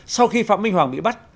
sau khi phạm minh hoàng bị bắt